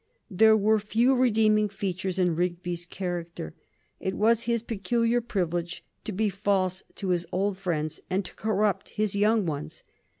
There were few redeeming features in Rigby's character. It was his peculiar privilege to be false to his old friends and to corrupt his young ones.